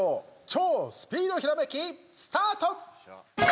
超スピードひらめきスタート！